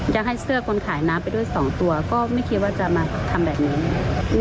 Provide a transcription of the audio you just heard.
จะให้เสื้อคนขายน้ำไปด้วย๒ตัวก็ไม่คิดว่าจะมาทำแบบนี้